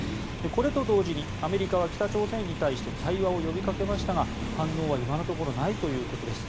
これと同時にアメリカは北朝鮮に対して対話を呼びかけましたが反応は今のところないということです。